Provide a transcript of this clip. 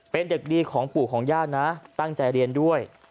เป็นเด็กดีของปู่ของย่านะตั้งใจเรียนด้วย